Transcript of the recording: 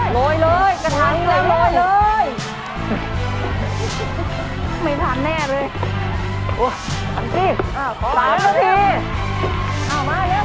โรยเลยโรยเลยไม่ทันแน่เลยโอ้ยทำที่อ่าสามนาทีอ่ามาเร็ว